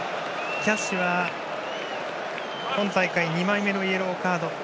キャッシュは今大会２枚目のイエローカード。